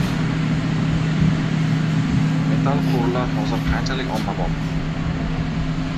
Metall quvurlar hozir qanchalik ommabop?